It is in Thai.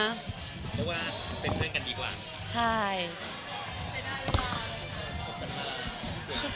เพราะว่าเป็นเพื่อนกันดีกว่า